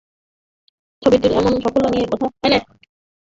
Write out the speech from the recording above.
ছবিটির এমন সাফল্য নিয়ে কথা বললেন ছবিটির নির্মাতা অমিতাভ রেজা চৌধুরী।